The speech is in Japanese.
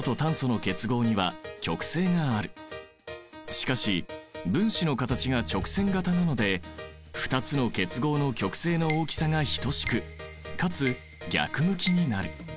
しかし分子の形が直線形なので２つの結合の極性の大きさが等しくかつ逆向きになる。